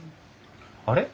あれ？